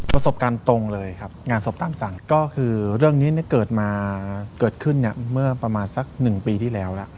ประสบการณ์ตรงเลยครับงานศพตามสั่งก็คือเรื่องนี้เกิดมาเกิดขึ้นเมื่อประมาณสัก๑ปีที่แล้วแล้ว